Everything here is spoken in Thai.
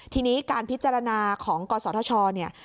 ทีนี้การพิจารณาของกศธชเนี่ย